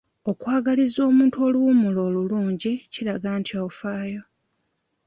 Okwagaliza omuntu oluwummula olulungi kiraga nti ofaayo.